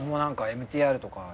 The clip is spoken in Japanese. ＭＴＲとかで。